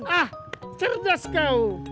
ah cerdas kau